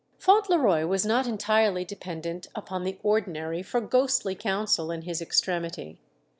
Fauntleroy was not entirely dependent upon the ordinary for ghostly counsel in his extremity.